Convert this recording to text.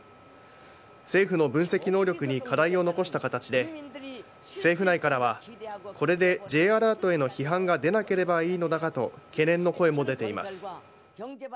政府の分析能力に課題を残した形で政府内からはこれでＪアラートへの批判が出なければいいのだがと懸念の声も出ています。